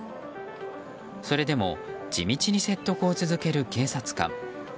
それでも地道に説得を続ける警察官。